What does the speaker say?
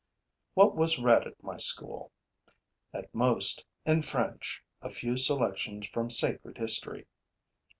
What was read at my school? At most, in French, a few selections from sacred history.